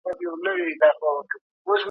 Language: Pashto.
که ښځې سیاست وکړي نو ستونزې نه پاتې کیږي.